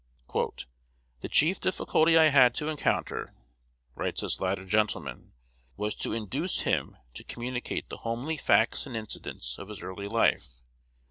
"The chief difficulty I had to encounter," writes this latter gentleman, "was to induce him to communicate the homely facts and incidents of his early life.